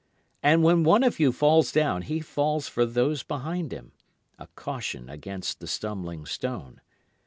And when one of you falls down he falls for those behind him, a caution against the stumbling stone.